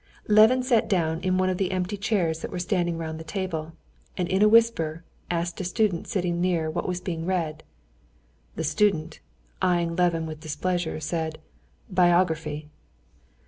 Levin sat down in one of the empty chairs that were standing round the table, and in a whisper asked a student sitting near what was being read. The student, eyeing Levin with displeasure, said: "Biography."